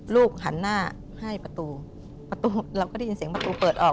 ลูกหันหน้าให้ประตูประตูเราก็ได้ยินเสียงประตูเปิดออก